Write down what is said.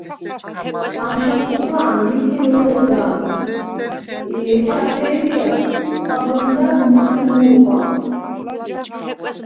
ამშა ჩუქვა̄ნ ვითინ ლჷ̄გა̄ნ ი ეჩა ფე̄დჲას ხვაგმჷდად მუსი მუ̄რყვამს.